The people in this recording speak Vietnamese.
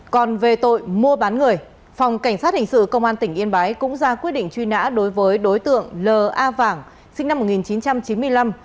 còn về tội mua bán người phòng cảnh sát hình sự công an tỉnh yên bái cũng ra quyết định truy nã đối với đối tượng l a vàng sinh năm một nghìn chín trăm chín mươi năm